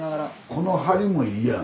この梁もいいやん。